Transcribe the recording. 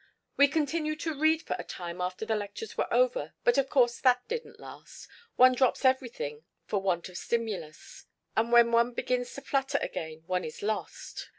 "We continued to read for a time after the lectures were over, but of course that didn't last. One drops everything for want of stimulus, and when one begins to flutter again one is lost.